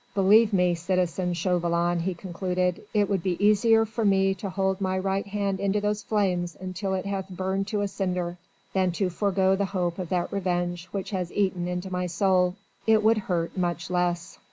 Believe me, citizen Chauvelin," he concluded, "it would be easier for me to hold my right hand into those flames until it hath burned to a cinder than to forgo the hope of that vengeance which has eaten into my soul. It would hurt much less."